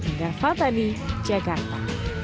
ndra fatani jakarta